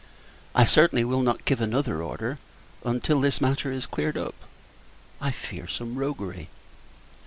I certainly will not give another order until this matter is cleared up. I fear some roguery.